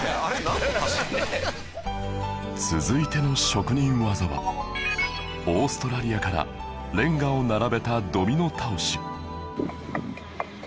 続いての職人技はオーストラリアからレンガを並べたドミノ倒し